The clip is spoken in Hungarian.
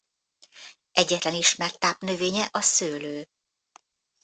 Egyetlen ismert tápnövénye a szőlő.